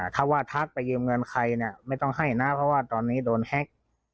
ถ้าว่าทักไปยืมเงินใครเนี่ยไม่ต้องให้นะเพราะว่าตอนนี้โดนแฮ็ก